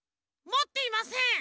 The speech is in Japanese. もっていません。